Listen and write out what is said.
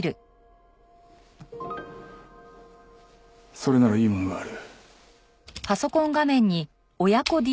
それならいいものがある。